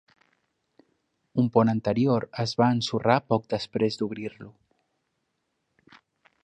Un pont anterior es va ensorrar poc després d'obrir-lo.